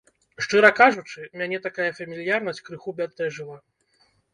Шчыра кажучы, мяне такая фамільярнасць крыху бянтэжыла.